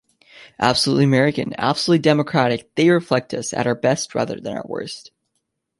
Absolutely American, absolutely democratic, they reflect us at our best rather than our worst.